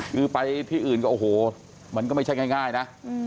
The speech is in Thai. คือไปที่อื่นก็โอ้โหมันก็ไม่ใช่ง่ายนะ